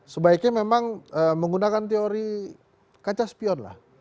sebaiknya memang menggunakan teori kaca spion lah